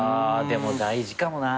でも大事かもな。